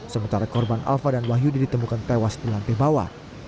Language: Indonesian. sementara korban alfa dan wahyudi ditemukan tewas di lantai bawah